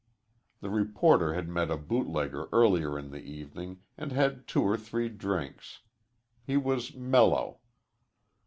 The reporter had met a bootlegger earlier in the evening and had two or three drinks. He was mellow.